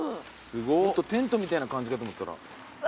もっとテントみたいな感じかと思ったら。